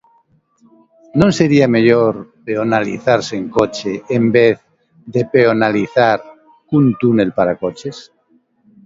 Non sería mellor peonalizar sen coche, en vez de peonalizar cun túnel para coches?